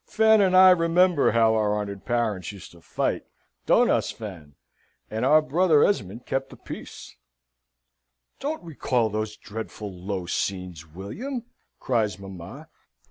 "Fan and I remember how our honoured parents used to fight. Don't us, Fan? And our brother Esmond kept the peace." "Don't recall those dreadful low scenes, William!" cries mamma.